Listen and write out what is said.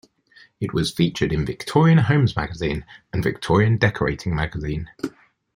It was featured in Victorian Homes Magazine and Victorian Decorating Magazine.